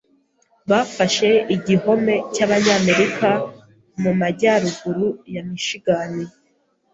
Bafashe igihome cyabanyamerika mumajyaruguru ya Michigan.